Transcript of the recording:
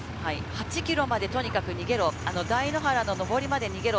８ｋｍまでとにかく逃げろ、台原の上りまで逃げろ。